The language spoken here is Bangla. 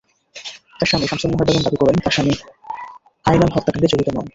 তাঁর স্ত্রী শামসুন্নাহার বেগম দাবি করেন, তাঁর স্বামী আয়নাল হত্যাকাণ্ডে জড়িত নন।